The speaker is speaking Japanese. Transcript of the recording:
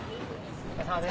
お疲れさまです。